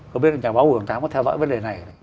có biết nhà báo bùi hoàng thám có theo dõi vấn đề này không